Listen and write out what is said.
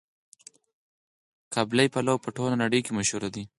قابلي پلو په ټوله نړۍ کې مشهور دی.